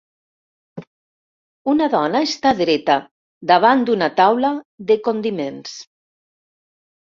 Una dona està dreta davant d'una taula de condiments.